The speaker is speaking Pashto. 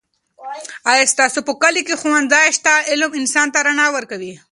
آیا ستاسو په کلي کې ښوونځی شته؟ علم انسان ته رڼا ورکوي.